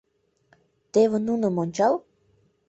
Теве нуным ончал!